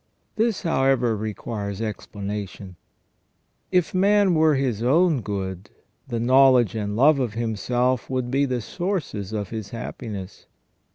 This, however, requires expla nation. If man were his own good, the knowledge and love of himself would be the sources of his happiness.